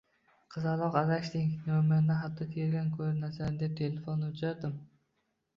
Qizaloq, adashding, nomerni xato tergan ko'rinasan, deb telefonni o'chirdim